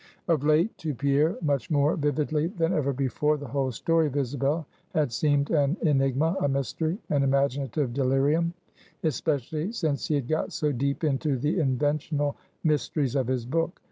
Of late to Pierre, much more vividly than ever before, the whole story of Isabel had seemed an enigma, a mystery, an imaginative delirium; especially since he had got so deep into the inventional mysteries of his book.